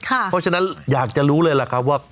เพราะฉะนั้นอยากจะรู้เลยล่ะครับว่า